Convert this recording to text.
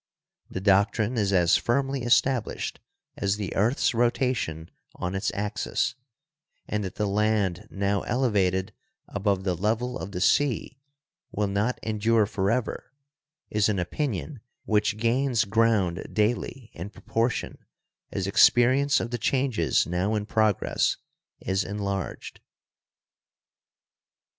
The doctrine is as firmly established as the earth's rotation on its axis, and that the land now elevated above the level of the sea will not endure for ever is an opinion which gains ground daily in proportion as experience of the changes now in progress is enlarged.